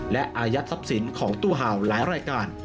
และอายัดทรัพย์สินของตู้ห่าวหลายรายการ